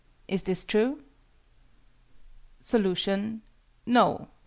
Is this true? Solution. No.